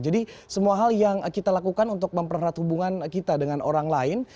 jadi semua hal yang kita lakukan untuk memperhatikan hubungan kita dengan orang lain